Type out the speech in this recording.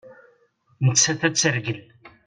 Nettat ad tt-reggel.